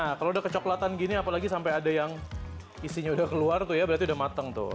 nah kalau udah kecoklatan gini apalagi sampai ada yang isinya udah keluar tuh ya berarti udah mateng tuh